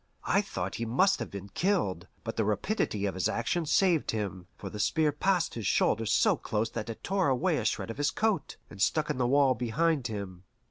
I thought he must have been killed, but the rapidity of his action saved him, for the spear passed his shoulder so close that it tore away a shred of his coat, and stuck in the wall behind him.